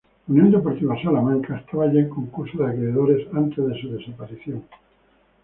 La Unión Deportiva Salamanca estaba ya en concurso de acreedores antes de su desaparición.